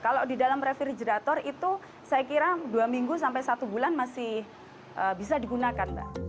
kalau di dalam referigerator itu saya kira dua minggu sampai satu bulan masih bisa digunakan mbak